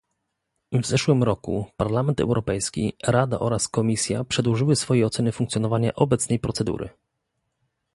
W zeszłym roku Parlament Europejski, Rada oraz Komisja przedłożyły swoje oceny funkcjonowania obecnej procedury